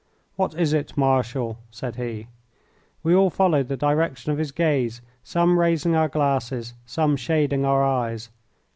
"What is it, Marshal?" said he. We all followed the direction of his gaze, some raising our glasses, some shading our eyes.